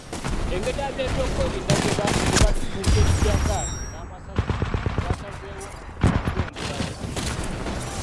Engeri ab'ebyokwerinda gye batukubye ttiyaggaasi n'amasasi twasazewo okubyongerayo.